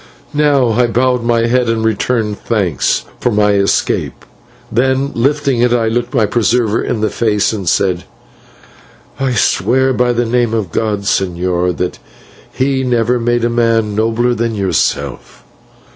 Now I bowed my head and returned thanks for my escape; then, lifting it, I looked my preserver in the face and said: "I swear by the name of God, señor, that He never made a man nobler than yourself!"